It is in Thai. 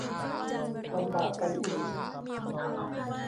ลำบากไปอีก